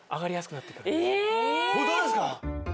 ホントですか？